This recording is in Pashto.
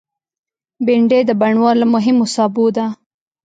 بېنډۍ د بڼوال له مهمو سابو ده